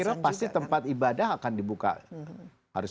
saya kira pasti tempat ibadah akan dibuka